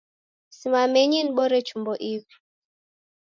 Simamenyi dibore chumbo iw'i